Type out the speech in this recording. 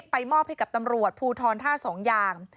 ไปมอบให้กับตำรวจภูทรท่า๒ยาง